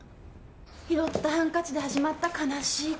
拾ったハンカチで始まった悲しい恋かぁ。